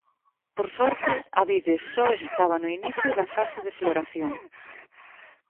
Por sorte, a vide só estaba no inicio da fase de floración.